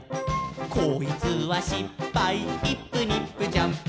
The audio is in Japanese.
「こいつはしっぱいイップニップジャンプ」